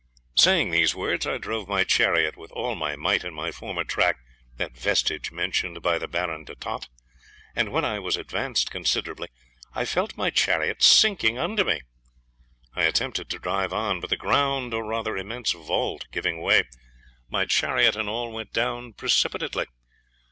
Saying these words, I drove my chariot with all my might in my former track, that vestige mentioned by the Baron de Tott, and when I was advanced considerably, I felt my chariot sinking under me. I attempted to drive on, but the ground, or rather immense vault, giving way, my chariot and all went down precipitately.